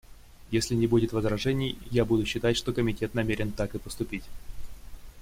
Если не будет возражений, я буду считать, что Комитет намерен так и поступить.